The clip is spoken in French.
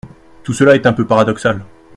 Tout cela est un peu paradoxal.